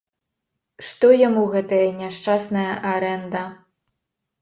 Што яму гэтая няшчасная арэнда.